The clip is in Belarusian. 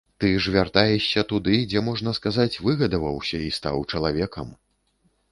Ты ж вяртаешся туды, дзе, можна сказаць, выгадаваўся і стаў чалавекам.